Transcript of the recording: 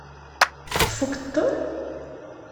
Tfukkeḍ-ten?